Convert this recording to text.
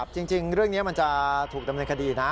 จริงเรื่องนี้มันจะถูกดำเนินคดีนะ